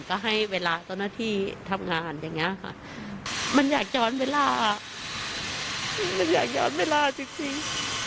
ก็ให้เวลาเจ้าหน้าที่ทำงานอย่างเงี้ยค่ะมันอยากย้อนเวลามันอยากย้อนเวลาจริง